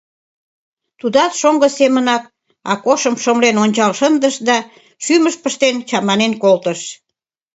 Тудат шоҥго семынак Акошым шымлен ончал шындыш да шӱмыш пыштен чаманен колтыш.